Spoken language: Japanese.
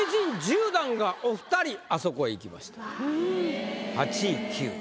お２人あそこへ行きました。